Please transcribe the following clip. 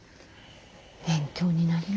勉強になりますね。